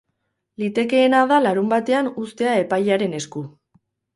Litekeena da larunbatean uztea epailearen esku.